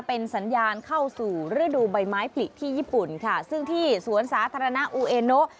เป็นสัญญาณเข้าสู่ฤดูใบไม้ผลิที่ญี่ปุ่นค่ะซึ่งที่สวนสาธารณะอูเอโน